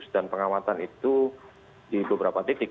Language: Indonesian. seratus dua ratus dan pengawatan itu di beberapa titik